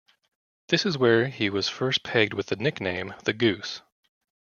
This is where he was first pegged with the nickname "The Goose".